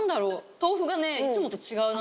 豆腐がねいつもと違うな。